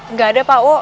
nggak ada pak wo